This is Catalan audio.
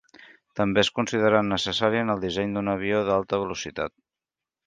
També és considerat necessari en el disseny d'un avió d'alta velocitat.